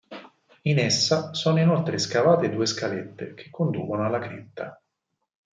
In essa sono inoltre scavate due scalette che conducono alla cripta.